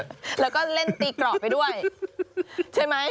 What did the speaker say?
แล้วก็เล่นตีกรอบไปด้วยใช่ไหม